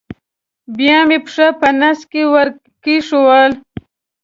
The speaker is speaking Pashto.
بیا مې پښه په نس کې ور کېښوول.